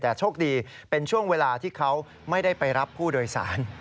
แต่โชคดีเป็นช่วงเวลาที่เขาไม่ได้ไปรับผู้โดยสาร